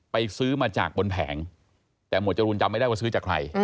ซื้อมาจากบนแผงแต่หมวดจรูนจำไม่ได้ว่าซื้อจากใคร